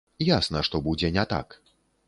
Ясна, што будзе не так.